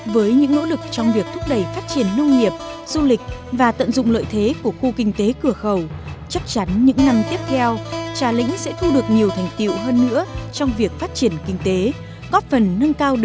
với những nỗ lực trong việc thúc đẩy phát triển nông nghiệp du lịch và tận dụng lợi thế của khu kinh tế cửa khẩu chắc chắn những năm tiếp theo trà lĩnh sẽ thu được nhiều thành tiệu hơn nữa trong việc phát triển kinh tế góp phần nâng cao đời sống cho nhân dân